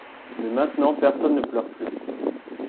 Mais maintenant personne ne pleure plus.